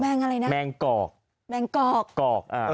อะไรนะแมงกอกแมงกอกกอกอ่า